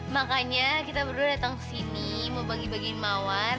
makanya kita berdua datang kesini mau bagi bagiin mawar